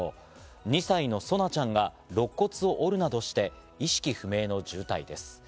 ２歳の蒼菜ちゃんが肋骨を折るなどして意識不明の重体です。